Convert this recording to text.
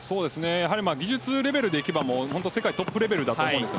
技術レベルでいえば世界トップレベルだと思うんです。